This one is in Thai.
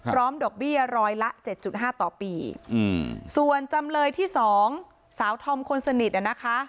ดอกเบี้ยร้อยละเจ็ดจุดห้าต่อปีส่วนจำเลยที่สองสาวธอมคนสนิทอ่ะนะคะ